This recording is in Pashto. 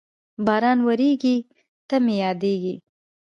باران ورېږي، ته مې یادېږې